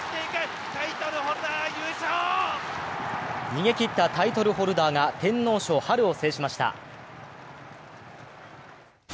逃げきったタイトルホルダーが天皇賞・春を制しました。